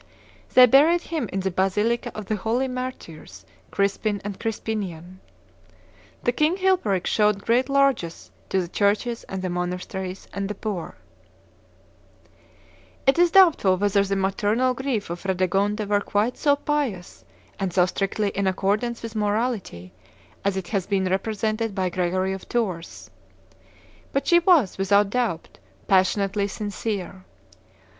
They buried him in the basilica of the holy martyrs Crispin and Crispinian. Then King Chilperic showed great largess to the churches and the monasteries and the poor." (Gregory of Tours, V. xxxv.) It is doubtful whether the maternal grief of Fredegonde were quite so pious and so strictly in accordance with morality as it has been represented by Gregory of Tours; but she was, without doubt, passionately sincere.